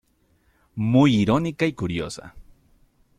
Muy irónica y curiosa".